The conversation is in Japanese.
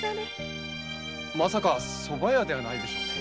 まさかソバ屋ではないでしょうね？